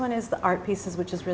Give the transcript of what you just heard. yang pertama adalah bisnis seni